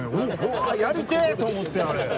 わあやりてえと思ってあれ。